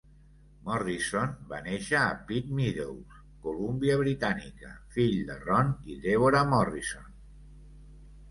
Morrison va néixer a Pitt Meadows, Columbia Britànica, fill de Ron i Deborah Morrison.